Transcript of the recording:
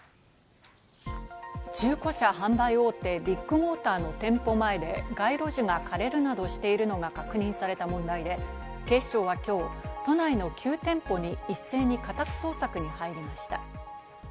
中古車販売大手ビッグモーターの店舗前で、街路樹が枯れるなどしているのが確認された問題で、警視庁はきょう、都内の９店舗に一斉に家宅捜索に入りました。